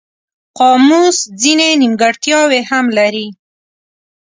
قاموس ځینې نیمګړتیاوې هم لري.